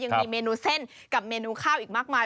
ยังมีเมนูเส้นกับเมนูข้าวอีกมากมาย